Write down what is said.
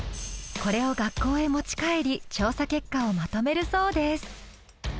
これを学校へ持ち帰り調査結果をまとめるそうです。